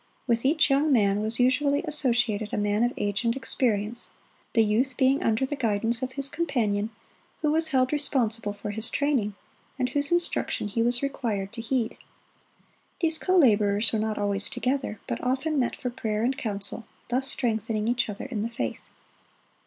With each young man was usually associated a man of age and experience, the youth being under the guidance of his companion, who was held responsible for his training, and whose instruction he was required to heed. These co laborers were not always together, but often met for prayer and counsel, thus strengthening each other in the faith.